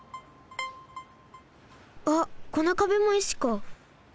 あっこのかべも石か。